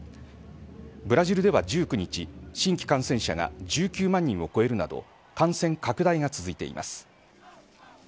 ブラジルでは１９日新規感染者が１９万人を超えるなど感染拡大が続いています。